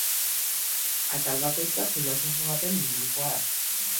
Atal bakoitza filosofo baten ingurukoa da.